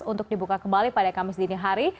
untuk dibuka kembali pada kamis dinihari